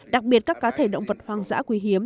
đặc biệt các cá thể động vật hoang dã quý hiếm